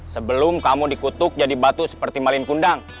sebelum kamu dikutuk jadi batu seperti malin kundang